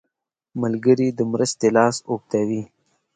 ملګری د مرستې لاس اوږدوي